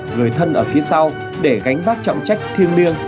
người thân ở phía sau để gánh vác trọng trách thiêng liêng